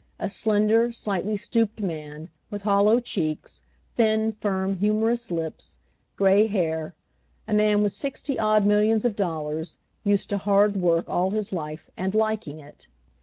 A slender, slightly stooped man, with hollow cheeks, thin, firm, humorous lips, gray hair ; a man with sixty odd millions of dollars ; used to hard work all his life, and liking it.